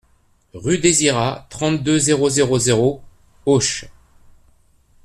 Rue Désirat, trente-deux, zéro zéro zéro Auch